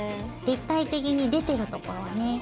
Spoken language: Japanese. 立体的に出てる所はね。